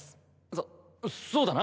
そそうだな。